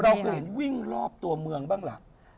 เราเคยเห็นวิ่งรอบตัวเมืองบ้างล่ะ